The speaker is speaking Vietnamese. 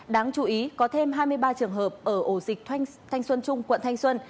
đáng chú ý có thêm hai mươi ba trường hợp ở ổ dịch thanh xuân trung quận thanh xuân